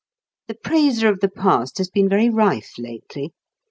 The praiser of the past has been very rife lately.